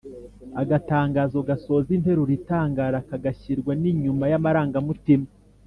agatangaro (!): gasoza interuro itangara, kagashyirwa n‟inyuma y‟amarangamutima.